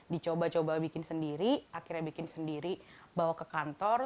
dicoba coba bikin sendiri akhirnya bikin sendiri bawa ke kantor